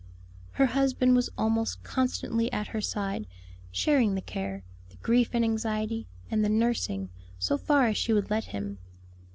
Her husband was almost constantly at her side, sharing the care, the grief and anxiety, and the nursing, so far as she would let him.